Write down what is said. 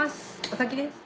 お先です。